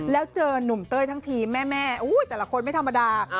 แล้วเจอนุ่มเต้ยทั้งทีแม่แต่ละคนไม่ธรรมดา